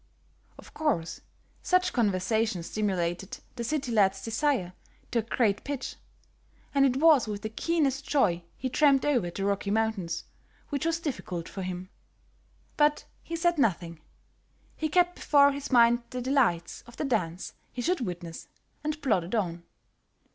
Of course, such conversation stimulated the city lad's desire to a great pitch; and it was with the keenest joy he tramped over the rocky mountains, which was difficult for him. But he said nothing; he kept before his mind the delights of the dance he should witness, and plodded on.